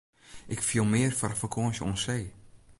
Ik fiel mear foar in fakânsje oan see.